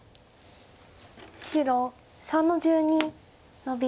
白３の十二ノビ。